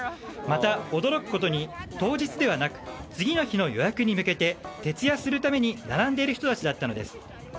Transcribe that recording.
また、驚くことに当日ではなく次の日の予約に向けて徹夜するために並んでいる人たちだったのです。